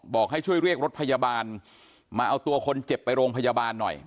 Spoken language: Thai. บอกให้ช่วยเรียกรถพยาบาลมาเอาตัวคนเจ็บไปโรงพยาบาลหน่อย